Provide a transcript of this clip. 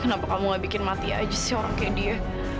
kenapa kamu gak bikin mati aja sih orang kayak dia